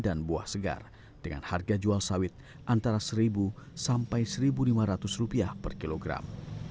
ada beberapa jaring yang berkembang dengan harga jual sawit antara seribu seribu lima ratus rupiah per kilogram